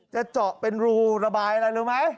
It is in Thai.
จะเจาะเป็นรูระบายอะไรรู้ไหม